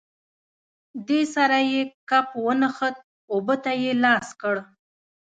دې سره یې کپ ونښت، اوبو ته یې لاس کړ.